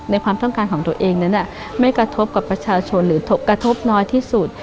ความต้องการของตัวเองนั้นไม่กระทบกับประชาชนหรือกระทบน้อยที่สุด